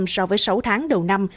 hai tám mươi bảy so với sáu tháng đầu năm